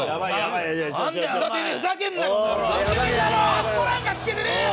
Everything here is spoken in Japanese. かっこなんかつけてねえよ！